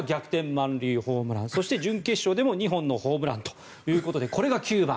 満塁ホームランそして、準決勝でも２本のホームランということでこれが９番。